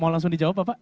mau langsung dijawab pak